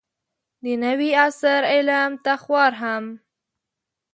د نوي عصر علم ته خوار هم